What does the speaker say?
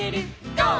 ゴー！」